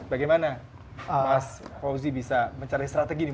bagaimana mas fauzi bisa mencari strategi nih